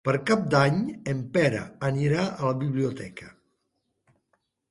Per Cap d'Any en Pere anirà a la biblioteca.